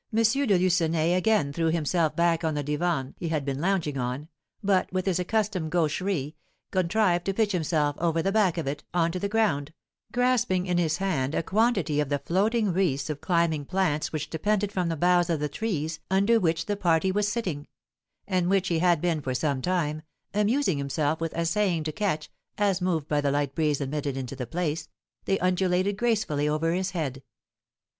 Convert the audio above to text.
de Lucenay again threw himself back on the divan he had been lounging on, but, with his accustomed gaucherie, contrived to pitch himself over the back of it, on to the ground, grasping in his hand a quantity of the floating wreaths of climbing plants which depended from the boughs of the trees under which the party was sitting, and which he had been, for some time, amusing himself with essaying to catch, as, moved by the light breeze admitted into the place, they undulated gracefully over his head.